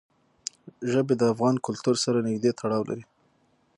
ژبې د افغان کلتور سره نږدې تړاو لري.